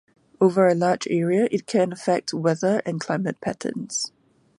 Over a large area, it can affect weather and climate patterns.